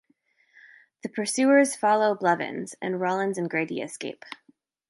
The pursuers follow Blevins, and Rawlins and Grady escape.